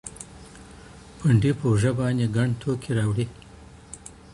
پنډي په اوږه باندي ګڼ توکي راوړي.